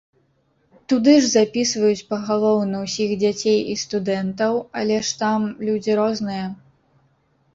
Туды ж запісваюць пагалоўна ўсіх дзяцей і студэнтаў, але ж там людзі розныя.